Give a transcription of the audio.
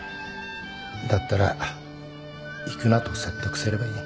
だったら行くなと説得すればいい。